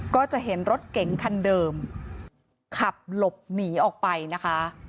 ก็จะเห็นรถเก๋งคันเดิมขับหลบหนีออกไปนะคะ